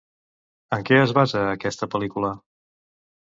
En què es basa aquesta pel·lícula?